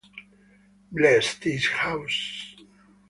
Bless This House